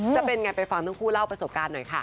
จะเป็นไงไปฟังทั้งคู่เล่าประสบการณ์หน่อยค่ะ